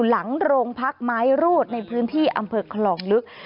หลังโรงพักไม้รูดในพื้นที่อำเภอคลองลึก